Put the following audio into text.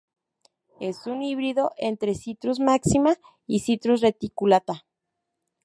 Es un híbrido entre "Citrus maxima" y "Citrus reticulata".